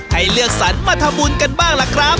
ให้เลือกสรรมาทำบุญกันบ้างล่ะครับ